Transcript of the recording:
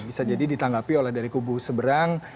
bisa jadi ditanggapi oleh dari kubu seberang